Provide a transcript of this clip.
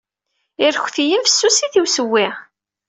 Irektiyen fessusit i ussewwi.